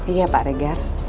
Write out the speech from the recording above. iya pak regar